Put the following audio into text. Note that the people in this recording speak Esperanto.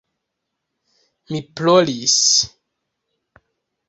Mi ploris.